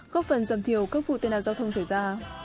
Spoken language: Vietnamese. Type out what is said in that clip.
góp phần giảm thiểu các vụ tai nạn giao thông xảy ra